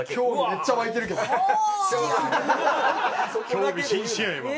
興味津々や今の。